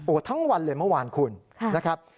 ทั้งวันเลยเมื่อวานคุณนะครับ